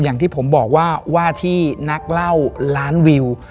อย่างที่ผมบอกว่าว่าที่นักเล่าล้านวิว